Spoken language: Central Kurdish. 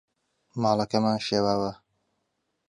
ماڵەکەمان شێواوە.